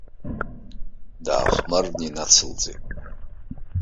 Даахәмарны инацылҵеит.